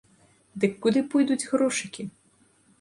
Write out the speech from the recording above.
Дык куды пойдуць грошыкі?